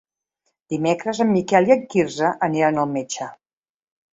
Dimecres en Miquel i en Quirze aniran al metge.